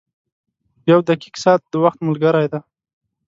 • یو دقیق ساعت د وخت ملګری دی.